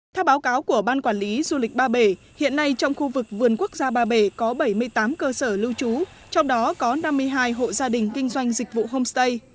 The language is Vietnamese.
theo báo cáo của ban quản lý du lịch ba bể hiện nay trong khu vực vườn quốc gia ba bể có bảy mươi tám cơ sở lưu trú trong đó có năm mươi hai hộ gia đình kinh doanh dịch vụ homestay